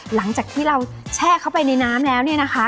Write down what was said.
หลังจากที่เราแช่เข้าไปในน้ำแล้วเนี่ยนะคะ